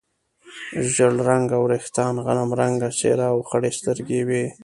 ژړ رنګه وریښتان، غنم رنګه څېره او خړې سترګې یې وې.